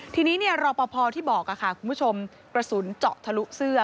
ทีนี้เนี้ยรอปภพที่บอกอะค่ะคุณผู้ชมกระสุนเจาะถรุเสื้อ